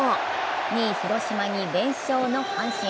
２位・広島に連勝の阪神。